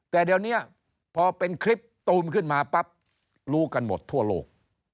แต่เดี๋ยวนี้พอเป็นคลิปตูมขึ้นมาปั๊บรู้กันหมดทั่วโลก